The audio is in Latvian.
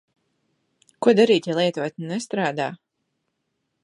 Ko darīt, ja lietotne nestrādā?